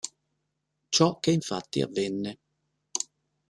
Ciò che infatti avvenne.